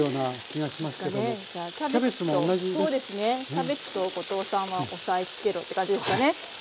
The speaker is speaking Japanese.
キャベツと後藤さんは押さえつけろって感じですかねハハハ。